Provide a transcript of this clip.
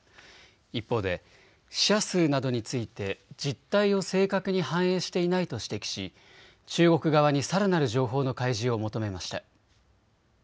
一方で死者数などについて実態を正確に反映していないと指摘し中国側にさらなる情報の開示を求めました。